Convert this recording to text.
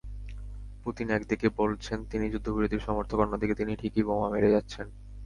Putin একদিকে বলছেন তিনি যুদ্ধবিরতির সমর্থক, অন্যদিকে তিনি ঠিকই বোমা মেরে যাচ্ছেন।